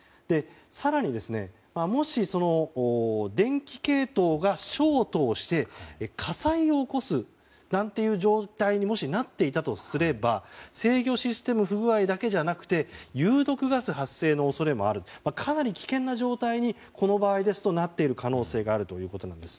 更に、もし電気系統がショートしもし火災を起こすなんていう状態になっていたとしたら制御システム不具合だけではなくて有毒ガス発生の恐れもあるというかなり危険な状態にこの場合ですとなっている可能性があるということなんです。